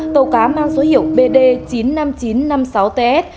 tàu cá mang số hiệu bd chín mươi năm nghìn chín trăm năm mươi sáu ts